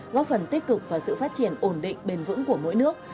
góp phần tích cực và sự phát triển ổn định bền vững của mỗi nước